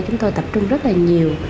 chúng tôi tập trung rất là nhiều